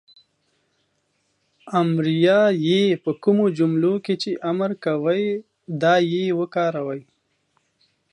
امریه "ئ" په کومو جملو کې چې امر کوی دا "ئ" وکاروئ